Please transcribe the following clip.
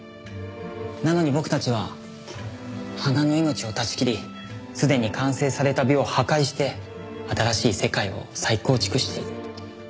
なのに僕たちは花の命を断ち切りすでに完成された美を破壊して新しい世界を再構築している。